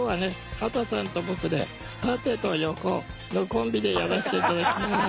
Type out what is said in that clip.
畑さんと僕で縦と横のコンビでやらして頂きます。